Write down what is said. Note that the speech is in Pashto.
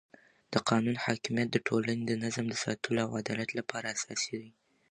د قانون حاکمیت د ټولنې د نظم د ساتلو او عدالت لپاره اساسي دی